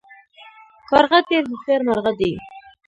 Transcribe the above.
کارغه ډیر هوښیار مرغه دی